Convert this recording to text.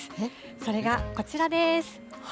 それがこちらです。